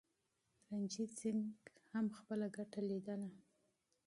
رنجیت سنګ هم خپله ګټه لیدله.